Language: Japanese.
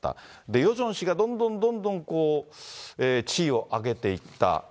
で、ヨジョン氏がどんどんどんどん地位を上げていった。